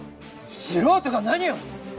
素人が何を。